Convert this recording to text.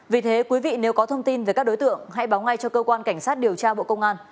vì thế quý vị nếu có thông tin về các đối tượng hãy báo ngay cho cơ quan cảnh sát điều tra bộ công an